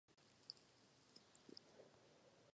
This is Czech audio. Kvete dubnu až květnu.